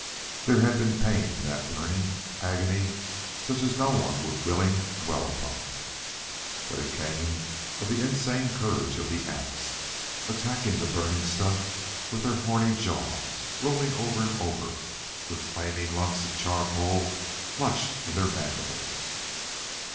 There had been pain in that burning, agony such as no one would willing dwell upon. But it came of the insane courage of the ants, attacking the burning stuff with their horny jaws, rolling over and over with flaming lumps of charcoal clutched in their mandibles.